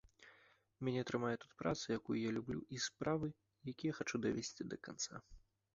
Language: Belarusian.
Мяне трымае тут праца, якую я люблю, і справы, якія хачу давесці да канца.